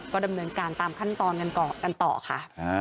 ก็ดำเนินกันตามขั้นตอนยังกันต่อค่ะ